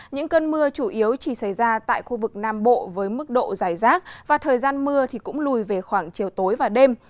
những cơn mưa chủ yếu chỉ xảy ra tại khu vực nam bộ với mức độ dài rác và thời gian mưa cũng lùi về khoảng chiều tối và đêm